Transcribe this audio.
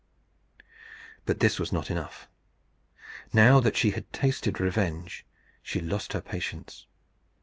But this was not enough. Now that she had tasted revenge, she lost her patience.